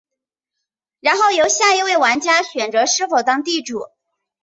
然后由下一位玩家选择是否当地主。